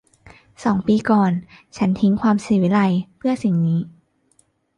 สองปีก่อน ฉันทิ้งความศิวิไลซ์เพื่อสิ่งนี้